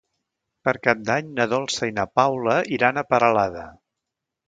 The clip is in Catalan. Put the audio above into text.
Per Cap d'Any na Dolça i na Paula iran a Peralada.